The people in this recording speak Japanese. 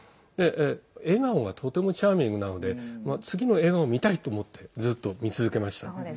笑顔がとてもチャーミングなので次の笑顔も見たいと思ってずっと見続けました。